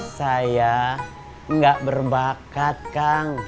saya gak berbakat kang